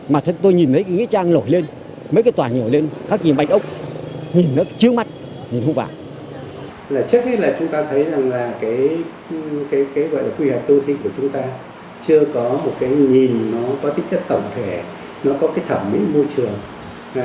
và cái quy hoạch đô thị của chúng ta chưa có một cái nhìn nó có tích thức tổng thể nó có cái thẩm mỹ môi trường